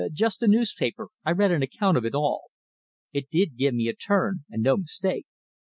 "Just a newspaper I read an account of it all. It did give me a turn and no mistake.